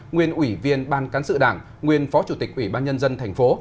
nguyên ủy viên ban cán sự đảng nguyên phó chủ tịch ủy ban nhân dân thành phố